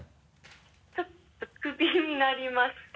ちょっとクビになりまして。